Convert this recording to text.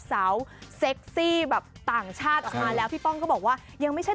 เซ็กซี่แบบต่างชาติออกมาแล้วพี่ป้องก็บอกว่ายังไม่ใช่